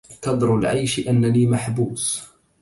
كدر العيش أنني محبوس